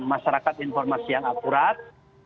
masyarakat informasi yang apurat